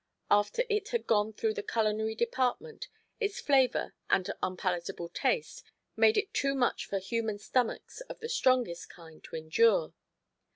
After it had gone through the culinary department, its flavor and unpalatable taste made it too much for human stomachs of the strongest kind to endure.